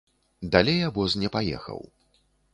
Далей абоз не паехаў.